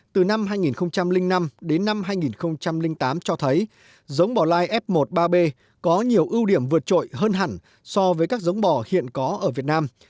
từ năm hai nghìn năm đến năm hai nghìn tám cho thấy giống bò lai f một ba b có nhiều ưu điểm vượt trội hơn hẳn so với các giống bò hiện có ở việt nam